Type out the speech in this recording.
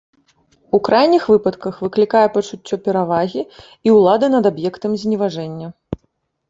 У крайніх выпадках выклікае пачуццё перавагі і ўлады над аб'ектам зневажэння.